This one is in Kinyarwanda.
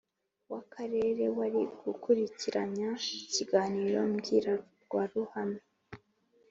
w'akarere wari wakurikiranya ikiganiro mbwirwaruhame